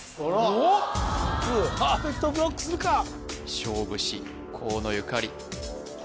おっパーフェクトブロックするか勝負師河野ゆかり